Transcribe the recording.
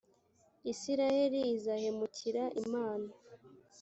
israheli izahemukira imana